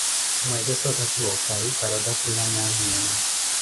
Mweekese okathi woofhayi para ottakhula na aana enu.